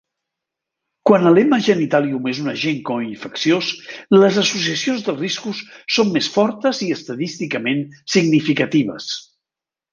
Quan el "M. genitalium" és un agent co-infecciós, les associacions de riscos són més fortes i estadísticament significatives.